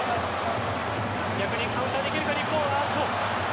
逆にカウンターできるか日本。